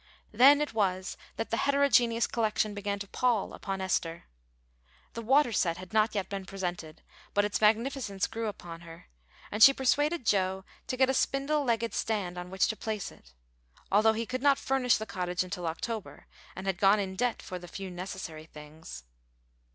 Then it was that the heterogeneous collection began to pall upon Esther. The water set had not yet been presented, but its magnificence grew upon her, and she persuaded Joe to get a spindle legged stand on which to place it, although he could not furnish the cottage until October, and had gone in debt for the few necessary things.